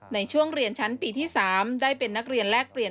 ในช่วงเรียนชั้นปีที่๓ได้เป็นนักเรียนแลกเปลี่ยน